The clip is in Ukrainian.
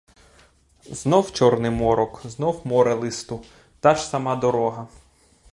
Знов чорний морок, знов море листу, та ж сама дорога.